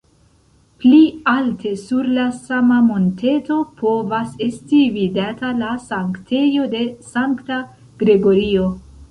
Pli alte sur la sama monteto povas esti vidata la sanktejo de sankta Gregorio.